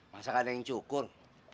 masa gak ada yang cukur